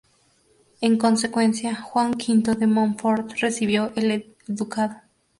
En consecuencia, Juan V de Monfort recibió el ducado.